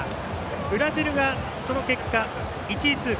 ブラジルがその結果、１位通過。